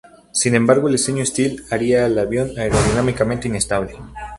Sin embargo el diseño Stealth haría al avión aerodinámicamente inestable.